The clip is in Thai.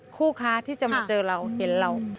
คู่ค้าที่จะมาเจอเราเห็นเรา